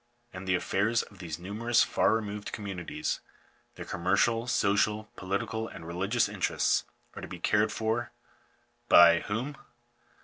And the affairs of these numerous, far removed communities — their commercial, social, political, and religious interests, are to be cared for — by whom?